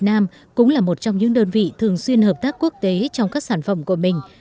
việt nam cũng là một trong những đơn vị thường xuyên hợp tác quốc tế trong các sản phẩm của mình